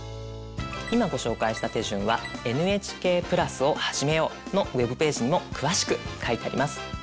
今ご紹介した手順は「ＮＨＫプラスをはじめよう」のウェブページにも詳しく書いてあります。